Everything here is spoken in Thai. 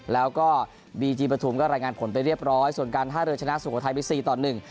แล้วก็ดีดีปธุมรายงานผลเป็นเรียบร้อยส่วนการฮาลูชนะสูงสุขภายใบสี่ต่อหนึ่ง